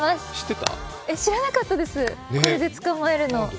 知らなかったです、これで捕まえるの。